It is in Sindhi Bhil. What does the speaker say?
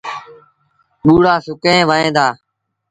ٻوڙآ سُڪي وهيݩ دآ۔